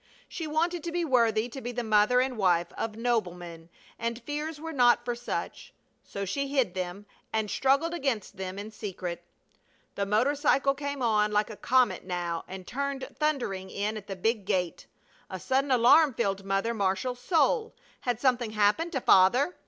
She wanted to be worthy to be the mother and wife of noblemen, and fears were not for such; so she hid them and struggled against them in secret. The motor cycle came on like a comet now, and turned thundering in at the big gate. A sudden alarm filled Mother Marshall's soul. Had something happened to Father?